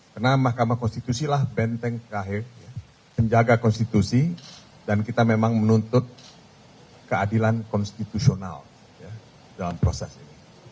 karena mahkamah konstitusi lah benteng terakhir menjaga konstitusi dan kita memang menuntut keadilan konstitusional dalam proses ini